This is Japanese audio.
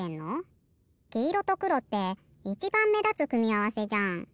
きいろとくろっていちばんめだつくみあわせじゃん。